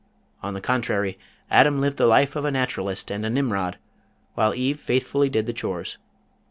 On the contrary Adam lived the life of a Naturalist and a Nimrod, while Eve faithfully did the chores.